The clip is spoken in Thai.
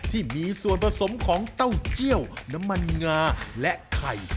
ที่มีส่วนผสมของเต้าเจี่ยวน้ำมันงาและไข่